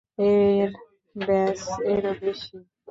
এর ব্যাস -এরও বেশি।